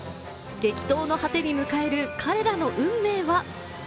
激闘の果てに迎える彼らの運命は？